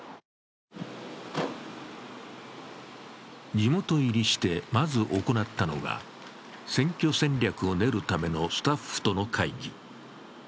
地元入りしてまず行ったのが選挙戦略を練るためのスタッフとの会議。